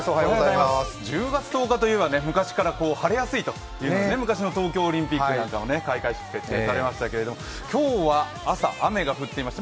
１０月１０日といえば昔から晴れやすいといわれていて昔の東京オリンピックも開会式などが行われましたけど、今日は朝雨が降っていました。